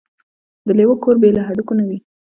د لېوه کور بې له هډوکو نه وي.